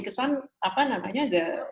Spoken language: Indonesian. kesan apa namanya the